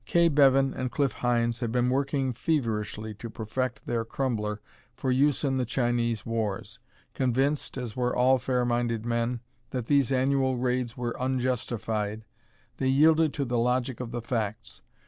Kay Bevan and Cliff Hynes had been working feverishly to perfect their Crumbler for use in the Chinese wars. Convinced, as were all fair minded men, that these annual raids were unjustified, they yielded to the logic of the facts.